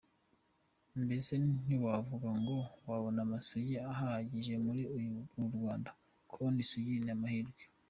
Mbese ntiwavuga ngo wabona amasugi ahagije muri uru Rwanda, kubona isugi ni amahirwe.